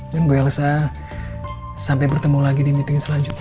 dan bu elsa sampai bertemu lagi di meeting selanjutnya